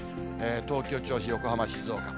東京、銚子、横浜、静岡。